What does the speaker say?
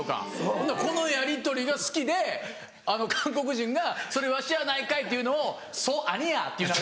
ほなこのやりとりが好きで韓国人が「それわしやないかい！」っていうのを「ソアニヤ」っていう何か。